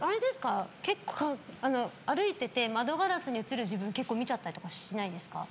結構歩いてて窓ガラスに映る自分結構見ちゃったりとかしないですか？